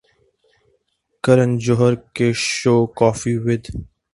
کرن جوہر کے show Koffee with